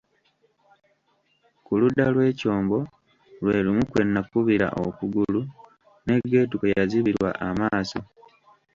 Ku ludda lw'ekyombo lwe lumu kwe nakubirwa okugulu, ne Geetu kwe yazibirwa amaaso.